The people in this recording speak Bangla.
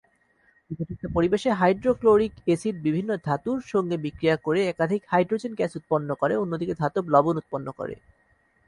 উপযুক্ত পরিবেশে হাইড্রোক্লোরিক এসিড বিভিন্ন ধাতুর সঙ্গে বিক্রিয়া করে একদিকে হাইড্রোজেন গ্যাস উৎপন্ন করে অন্যদিকে ধাতব লবণ উৎপন্ন করে।